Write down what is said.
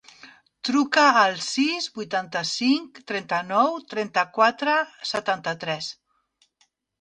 Truca al sis, vuitanta-cinc, trenta-nou, trenta-quatre, setanta-tres.